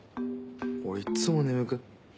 俺いっつも眠く。